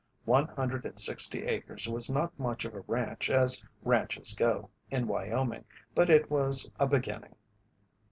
One hundred and sixty acres was not much of a ranch as ranches go in Wyoming, but it was a beginning.